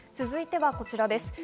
続いてはこちらです。